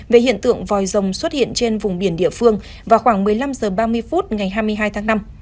về hiện tượng vòi rồng xuất hiện trên vùng biển địa phương vào khoảng một mươi năm h ba mươi phút ngày hai mươi hai tháng năm